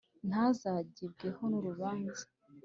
ntazagibweho n’urubanza